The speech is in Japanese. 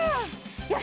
よし！